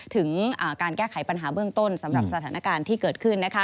ถึงการแก้ไขปัญหาเบื้องต้นสำหรับสถานการณ์ที่เกิดขึ้น